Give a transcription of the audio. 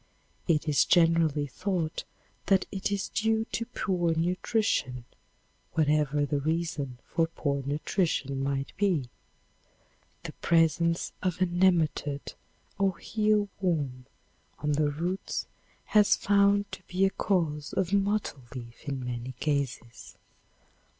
It is generally thought that it is due to poor nutrition, whatever the reason for poor nutrition might be. The presence of a nematode or eel worm on the roots has found to be a cause of mottle leaf in many cases.